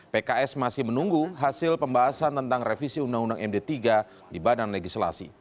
pks masih menunggu hasil pembahasan tentang revisi undang undang md tiga di badan legislasi